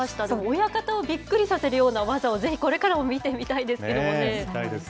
親方をびっくりさせるような技をぜひこれからも見てみたいですけどもね。